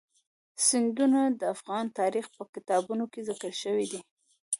سیندونه د افغان تاریخ په کتابونو کې ذکر شوی دي.